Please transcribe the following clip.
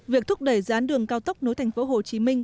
việc thúc đẩy dự án đường cao tốc nối thành phố hồ chí minh